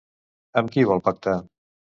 Amb qui vol pactar?